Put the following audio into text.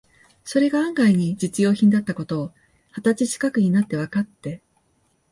それが案外に実用品だった事を、二十歳ちかくになってわかって、